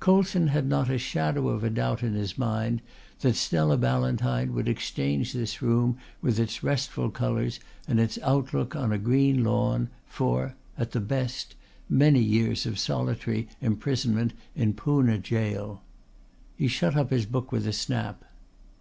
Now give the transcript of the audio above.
Coulson had not a shadow of doubt in his mind Stella Ballantyne would exchange this room with its restful colours and its outlook on a green lawn for at the best many years of solitary imprisonment in Poona Gaol. He shut up his book with a snap.